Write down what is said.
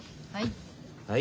はい。